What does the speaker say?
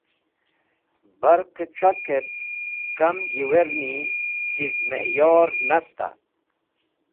Barqẽ c̃hakẽt kamẽ yiwernẽni chiz mẽyor nasta?